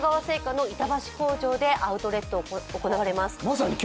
製菓の板橋工場でアウトレットが行われます。